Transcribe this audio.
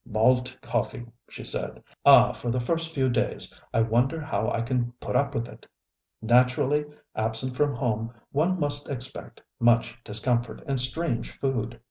ŌĆ£Malt coffee, ŌĆØ she said. ŌĆ£Ah, for the first few days I wonder how I can put up with it. Naturally, absent from home one must expect much discomfort and strange food.